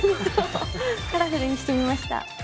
カラフルにしてみました。